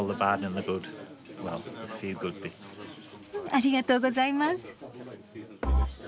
ありがとうございます。